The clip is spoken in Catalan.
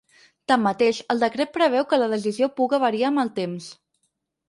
Tanmateix, el decret preveu que la decisió puga variar amb el temps.